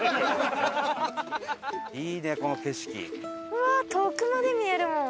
うわ遠くまで見えるもん。